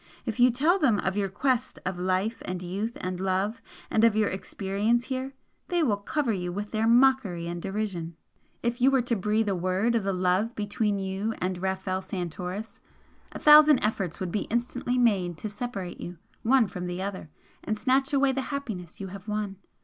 If you tell them of your quest of life and youth and love, and of your experience here, they will cover you with their mockery and derision if you were to breathe a word of the love between you and Rafel Santoris, a thousand efforts would be instantly made to separate you, one from the other, and snatch away the happiness you have won.